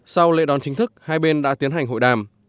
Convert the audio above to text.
sau lễ đón chính thức hai bên đã tiến hành hội đàm